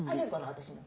私も。